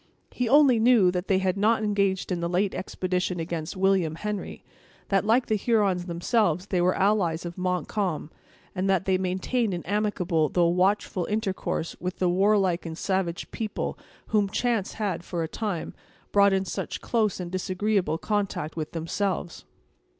He only knew that they had not engaged in the late expedition against William Henry; that, like the Hurons themselves they were allies of Montcalm; and that they maintained an amicable, though a watchful intercourse with the warlike and savage people whom chance had, for a time, brought in such close and disagreeable contact with themselves.